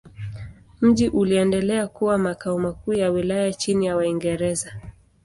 Mji uliendelea kuwa makao makuu ya wilaya chini ya Waingereza.